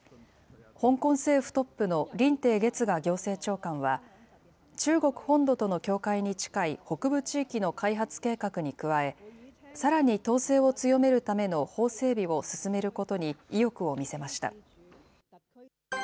香港政府トップの林鄭月娥行政長官は、中国本土との境界に近い北部地域の開発計画に加え、さらに統制を強めるための法整備を進めることに意欲を見せました。